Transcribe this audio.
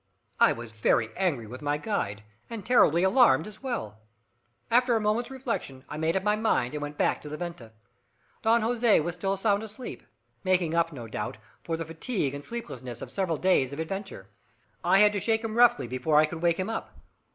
I was very angry with my guide, and terribly alarmed as well. After a moment's reflection, I made up my mind, and went back to the venta. Don Jose was still sound asleep, making up, no doubt, for the fatigue and sleeplessness of several days of adventure. I had to shake him roughly before I could wake him up.